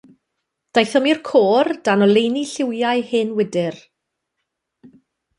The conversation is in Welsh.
Daethom i'r côr, dan oleuni lliwiau hen wydr.